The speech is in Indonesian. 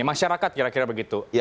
masyarakat kira kira begitu